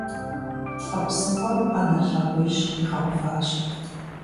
ЛӀы псыгъуэм Ӏэнэ лъакъуищ къигъэуващ.